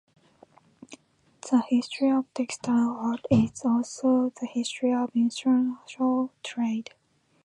The history of textile arts is also the history of international trade.